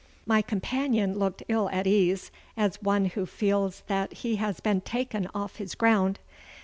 My companion looked ill at ease, as one who feels that he has been taken off his ground.